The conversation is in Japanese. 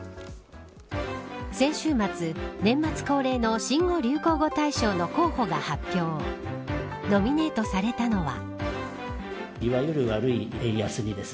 先週末、年末恒例の新語・流行語大賞の候補を発表しノミネートされたのは。